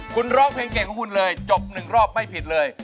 คุณร้องเพลงเก่งของคุณเลยจบ๑รอบไม่ผิดเลย